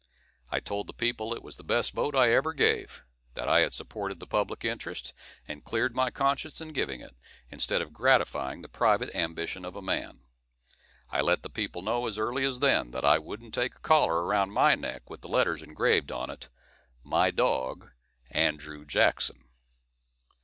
I told the people it was the best vote I ever gave; that I had supported the public interest, and cleared my conscience in giving it, instead of gratifying the private ambition of a man. I let the people know as early as then, that I wouldn't take a collar around my neck with the letters engraved on it, MY DOG. ANDREW JACKSON.